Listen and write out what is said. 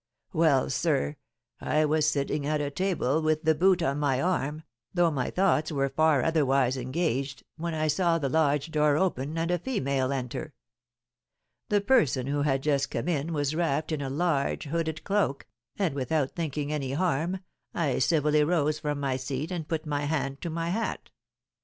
Well, sir, I was sitting at a table with the boot on my arm, though my thoughts were far otherwise engaged, when I saw the lodge door open and a female enter. The person who had just come in was wrapped in a large hooded cloak, and, without thinking any harm, I civilly rose from my seat, and put my hand to my hat.